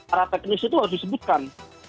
arah teknis itu harus disebutkan